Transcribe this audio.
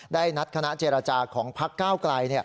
ได้นัดคณะเจรจาของพักก้าวไกล